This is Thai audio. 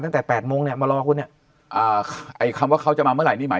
ตั้งแต่แปดโมงเนี่ยมารอคุณเนี่ยอ่าไอ้คำว่าเขาจะมาเมื่อไหร่นี่หมาย